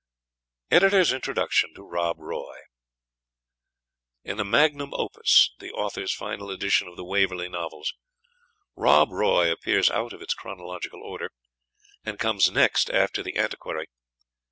EDITOR'S INTRODUCTION TO ROB ROY In the magnum opus, the author's final edition of the Waverley Novels, "Rob Roy" appears out of its chronological order, and comes next after "The Antiquary."